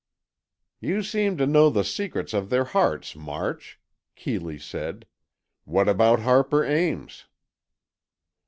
"You seem to know the secrets of their hearts, March," Keeley said. "What about Harper Ames?"